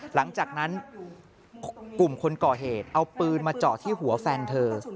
หลังจากนั้นกลุ่มคนก่อเหตุเอาปืนมาเจาะที่หัวแฟนเธอ